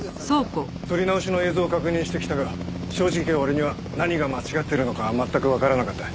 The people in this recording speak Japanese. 撮り直しの映像を確認してきたが正直俺には何が間違ってるのか全くわからなかった。